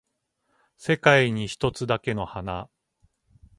世界に一つだけの花